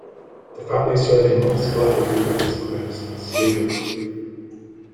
The family surname of Sclater-Booth is pronounced "Slater-Booth".